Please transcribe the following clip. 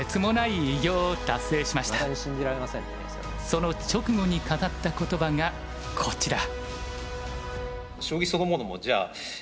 その直後に語った言葉がこちら。